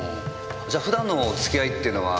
じゃ普段のお付き合いっていうのは？